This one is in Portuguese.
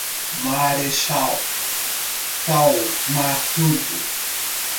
Marechal Thaumaturgo